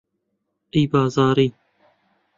ئەی بازاڕی